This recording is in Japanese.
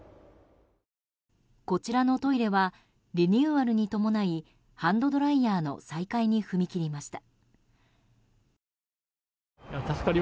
こちらのトイレはリニューアルに伴いハンドドライヤーの再開に踏み切りました。